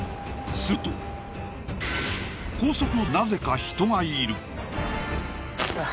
すると高速の出口になぜか人がいる。